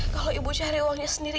kalau ibu cari uangnya sendiri